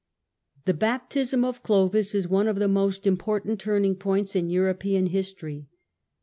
The baptism of Clovis is one of the most important turning points in European history.